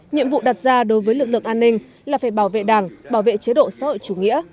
nhiệm vụ đặt ra đối với lực lượng an ninh là phải bảo vệ đảng bảo vệ chế độ xã hội chủ nghĩa